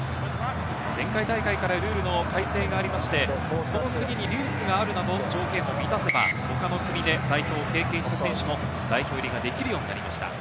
前回大会からルールの改正がありまして、その国にルーツがあるなど条件を満たせば他の国で代表を経験した選手も代表入りができるようになりました。